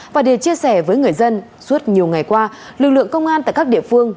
và để chia sẻ với người dân suốt nhiều ngày qua lực lượng công an tại các địa phương